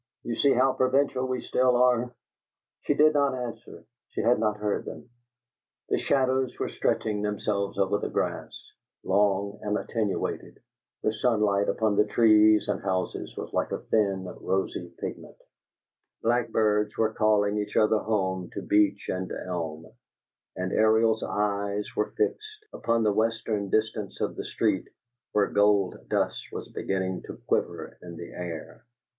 "You see how provincial we still are." She did not answer; she had not heard him. The shadows were stretching themselves over the grass, long and attenuated; the sunlight upon the trees and houses was like a thin, rosy pigment; black birds were calling each other home to beech and elm; and Ariel's eyes were fixed upon the western distance of the street where gold dust was beginning to quiver in the air.